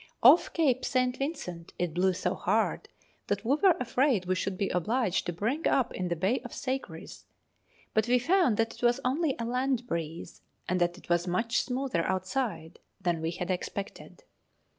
Off Cape St. Vincent it blew so hard that we were afraid we should be obliged to bring up in the bay of Sagres; but we found that it was only a land breeze, and that it was much smoother outside than we had expected.